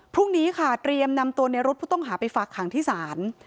พรุ่งนี้ค่ะเตรียมนำตัวในรถผู้ต้องหาไปฝากขังที่ศาล